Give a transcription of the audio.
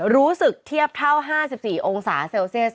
๕๔รู้สึกเทียบเท่า๕๔องศาเซลเซียส